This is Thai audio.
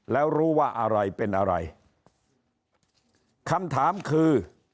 แล้วรู้ว่าอะไรเป็นอะไรคำถามคือ